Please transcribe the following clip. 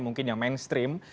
mungkin yang mainstream